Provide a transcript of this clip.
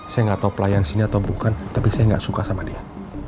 saya gak tau pelayan sini atau bukan tapi saya gak suka sama dia